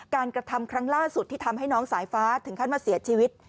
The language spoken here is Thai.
กระทำครั้งล่าสุดที่ทำให้น้องสายฟ้าถึงขั้นมาเสียชีวิต